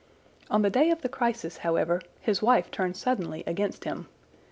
On the day of the crisis, however, his wife turned suddenly against him.